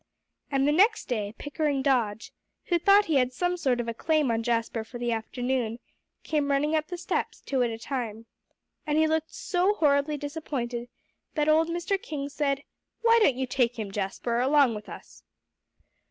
And the next day, Pickering Dodge, who thought he had some sort of a claim on Jasper for the afternoon, came running up the steps, two at a time. And he looked so horribly disappointed, that old Mr. King said, "Why don't you take him, Jasper, along with us?"